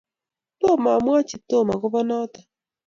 tomo amwochi Tom akobo noto